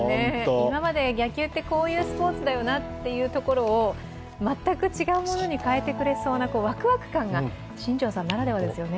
今まで野球ってこういうスポーツだよねというところを全く違うものに変えてくれそうなワクワク感が、新庄さんならではですよね。